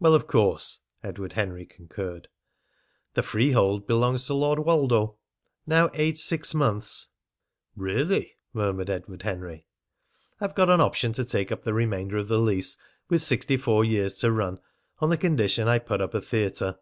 "Well, of course," Edward Henry concurred. "The freehold belongs to Lord Woldo, now aged six months." "Really!" murmured Edward Henry. "I've got an option to take up the remainder of the lease, with sixty four years to run, on the condition I put up a theatre.